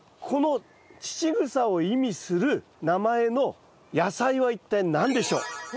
この乳草を意味する名前の野菜は一体何でしょう？